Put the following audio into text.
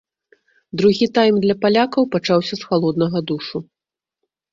Другі тайм для палякаў пачаўся з халоднага душу.